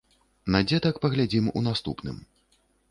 На дзетак паглядзім у наступным.